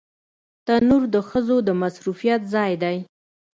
تنور د ښځو د مصروفيت ځای دی